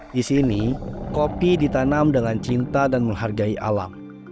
di sini kopi ditanam dengan cinta dan menghargai alam